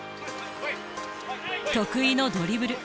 得意のドリブル。